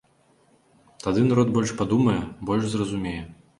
Тады народ больш падумае, больш зразумее.